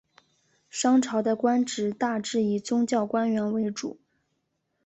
商朝的官职大致以宗教官员为主。